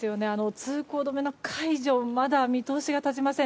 通行止めの解除まだ見通しが立ちません。